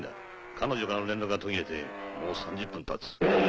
彼女からの連絡が途切れてもう３０分たつ。